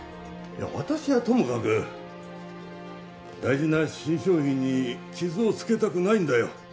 いや私はともかく大事な新商品に傷をつけたくないんだよ。